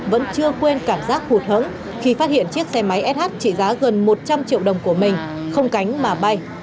vẫn chưa quên cảm giác hụt thẫn khi phát hiện chiếc xe máy sh trị giá gần một trăm linh triệu đồng của mình không cánh mà bay